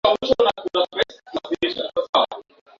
ngamia wachanga walioathirika